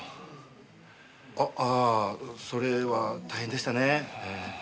あっああそれは大変でしたねえ。